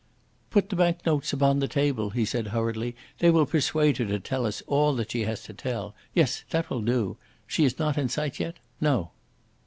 "Put the bank notes upon the table," he said hurriedly. "They will persuade her to tell us all that she has to tell. Yes, that will do. She is not in sight yet? No."